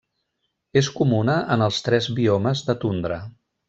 És comuna en els tres biomes de tundra.